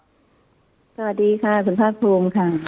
สวัสดีค่ะคุณภาคภูมิค่ะ